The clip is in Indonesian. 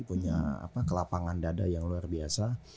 punya kelapangan dada yang luar biasa